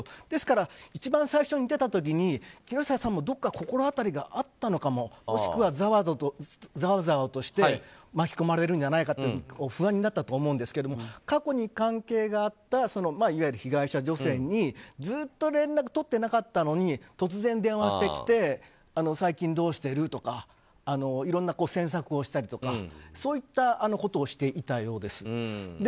ですから、一番最初に出た時に木下さんもどこか心当たりがあったのかももしくは、ざわざわとして巻き込まれるんじゃないかと不安になったと思うんですけど過去に関係があったいわゆる被害者女性に、ずっと連絡を取っていなかったのに突然電話してきて最近、どうしてる？とかいろんな詮索をしたりとかそういったことをしていたようです。